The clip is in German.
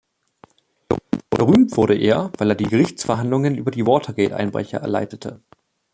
Berühmt wurde er, weil er die Gerichtsverhandlung über die Watergate-Einbrecher leitete.